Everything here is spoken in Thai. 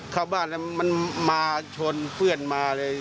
เข้าบ้านแล้วมันมาชนเปื้อนมาเลย